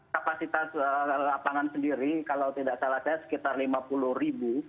kapasitas lapangan sendiri kalau tidak salah saya sekitar lima puluh ribu